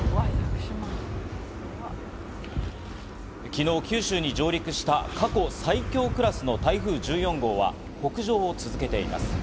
昨日、九州に上陸した過去最強クラスの台風１４号は北上を続けています。